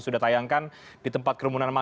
sekarang kan begini ya